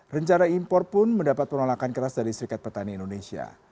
rencana impor pun mendapat penolakan keras dari serikat petani indonesia